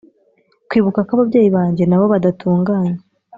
Kwibuka ko ababyeyi banjye na bo badatunganye